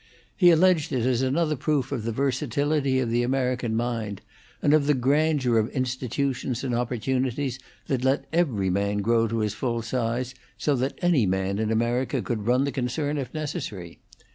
He alleged it as another proof of the versatility of the American mind, and of the grandeur of institutions and opportunities that let every man grow to his full size, so that any man in America could run the concern if necessary.